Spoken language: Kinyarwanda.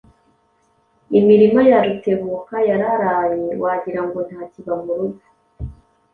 Imirima ya Rutebuka yararaye wagira ngo ntakiba mu rugo.